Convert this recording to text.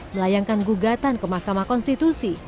melayangkan gugatan ke mahkamah konstitusi